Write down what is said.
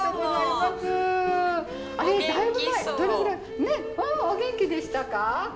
うんお元気でしたか？